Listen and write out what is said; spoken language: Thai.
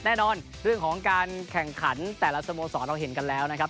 แน่นอนเรื่องของการแข่งขันแต่ละสโมสรเราเห็นกันแล้วนะครับ